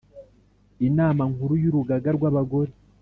Inama Nkuru y Urugaga rw,abagore